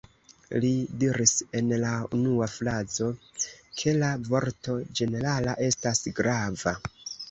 Li diris en la unua frazo, ke la vorto ĝenerala estas grava.